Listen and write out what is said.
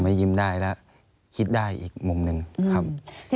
อันดับ๖๓๕จัดใช้วิจิตร